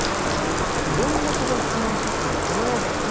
いろんな子が質問してきても必ず質問に答える事。